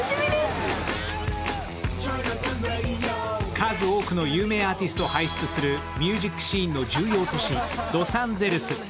数多くの有名アーティストを輩出するミュージックシーンにおいて重要な都市、ロサンゼルス。